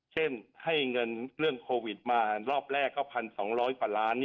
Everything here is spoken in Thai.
เช่นให้เงินเรื่องโควิดมารอบแรกก็๑๒๐๐กว่าล้าน